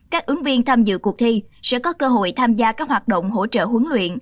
các ứng viên tham dự cuộc thi sẽ có cơ hội tham gia các hoạt động hỗ trợ huấn luyện